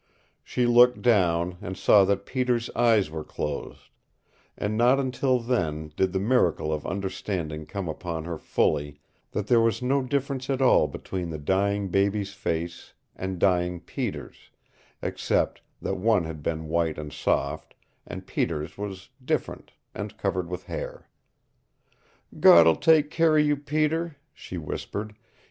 She looked down, and saw that Peter's eyes were closed; and not until then did the miracle of understanding come upon her fully that there was no difference at all between the dying baby's face and dying Peter's, except that one had been white and soft, and Peter's was different and covered with hair. "God'll take care o' you, Peter," she whispered.